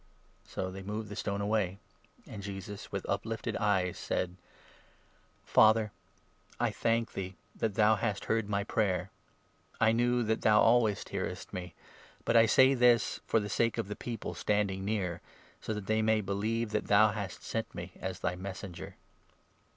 " So they moved the stone away ; and Jesus, with uplifted eyes, 41 said :" Father, I thank thee that thou hast heard my prayer ; I knew that thou always hearest 42 me ; but I say this for the sake of the people standing near, so that they may believe that thou hast sent me as thy Messenger."